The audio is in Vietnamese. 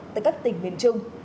tại các tỉnh miền trung